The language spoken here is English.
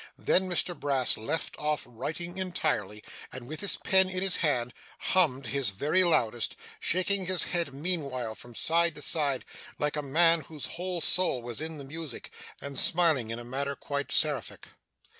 Then, Mr Brass left off writing entirely, and, with his pen in his hand, hummed his very loudest; shaking his head meanwhile from side to side, like a man whose whole soul was in the music, and smiling in a manner quite seraphic.